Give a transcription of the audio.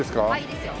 いいですよ。